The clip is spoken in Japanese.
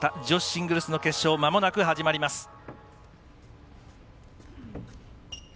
女子シングルスの決勝まもなく始まります。